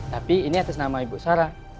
tapi ini atas nama ibu sarah